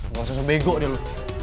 gak usah sebego deh lu